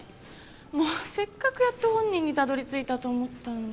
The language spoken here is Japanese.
もうせっかくやっと本人にたどり着いたと思ったのに。